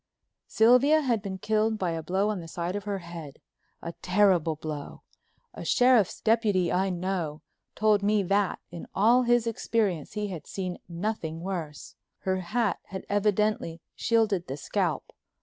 Sylvia had been killed by a blow on the side of her head—a terrible blow. A sheriff's deputy I know told me that in all his experience he had seen nothing worse. Her hat had evidently shielded the scalp.